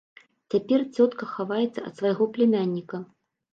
Цяпер цётка хаваецца ад свайго пляменніка.